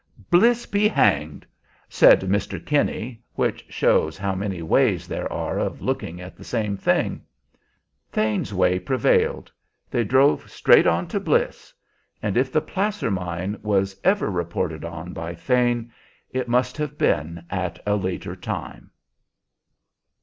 "Bliss be hanged!" said Mr. Kinney; which shows how many ways there are of looking at the same thing. Thane's way prevailed; they drove straight on to Bliss. And if the placer mine was ever reported on by Thane, it must have been at a later time.